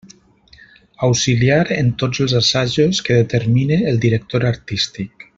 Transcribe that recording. Auxiliar en tots els assajos que determine el director artístic.